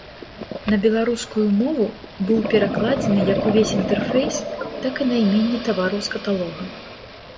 На беларускую мову быў перакладзены як увесь інтэрфейс, так і найменні тавараў з каталога.